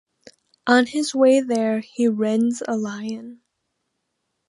On his way there, he rends a lion.